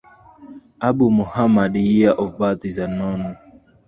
Abu Muhammad year of birth is unknown.